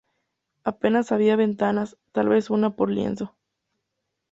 A penas había ventanas, tal vez una por lienzo.